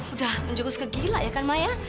udah menjurus kegila ya kan maya